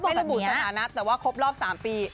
ระบุสถานะแต่ว่าครบรอบ๓ปี